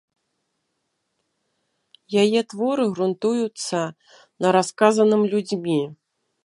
Яе творы грунтуюцца на расказаным людзьмі.